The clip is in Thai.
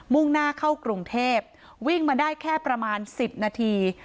่งหน้าเข้ากรุงเทพวิ่งมาได้แค่ประมาณ๑๐นาที